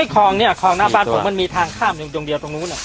คลองเนี่ยคลองหน้าบ้านผมมันมีทางข้ามอยู่ตรงเดียวตรงนู้น